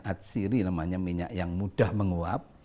atsiri namanya minyak yang mudah menguap